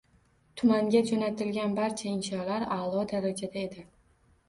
Tumanga jo‘natilgan barcha insholar a’lo darajada edi.